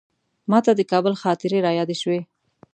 ماته د کابل خاطرې رایادې شوې.